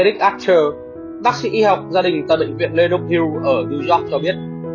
eric archer bác sĩ y học gia đình tại bệnh viện lê đông hill ở new york cho biết